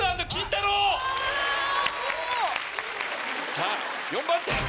さぁ４番手。